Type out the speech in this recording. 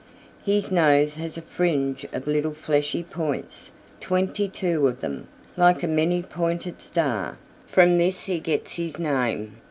His nose has a fringe of little fleshy points, twenty two of them, like a many pointed star. From this he gets his name.